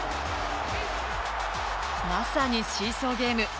まさにシーソーゲーム。